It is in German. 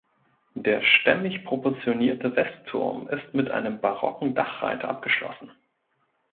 Der stämmig proportionierte Westturm ist mit einem barocken Dachreiter abgeschlossen.